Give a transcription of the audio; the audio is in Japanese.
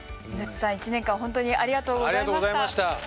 イノッチさん一年間本当にありがとうございました。